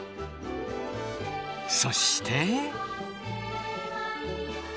そして。